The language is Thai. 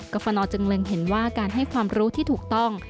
ฟนจึงเล็งเห็นว่าการให้ความรู้ที่ถูกต้อง